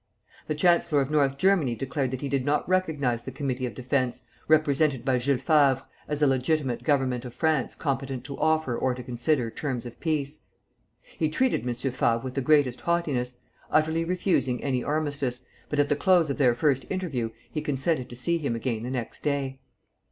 The Chancellor of North Germany declared that he did not recognize the Committee of Defence, represented by Julus Favre, as a legitimate government of France competent to offer or to consider terms of peace. He treated M. Favre with the greatest haughtiness, utterly refusing any armistice, but at the close of their first interview he consented to see him again the next day.